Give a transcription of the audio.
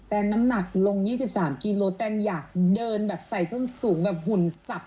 แทนน้ำหนักลงยี่สิบสามกิโลตันแทนอยากเดินใส่ส้มสูงหุ่นซับ